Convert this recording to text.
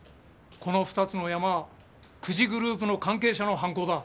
この２つのヤマは久慈グループの関係者の犯行だ。